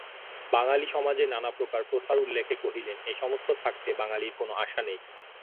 বাঙালি-সমাজের নানাপ্রকার প্রথার উল্লেখে কহিলেন, এ-সমস্ত থাকতে বাঙালির কোনো আশা নেই।